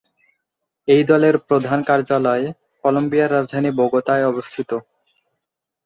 এই দলের প্রধান কার্যালয় কলম্বিয়ার রাজধানী বোগোতায় অবস্থিত।